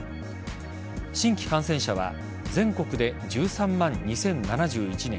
新規感染者は全国で１３万２０７１人